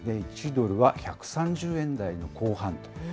１ドルは１３０円台の後半。